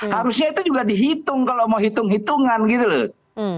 harusnya itu juga dihitung kalau mau hitung hitungan gitu loh